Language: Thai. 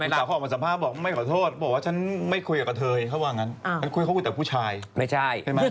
นักสือขอโทษกรณีรายการที่มี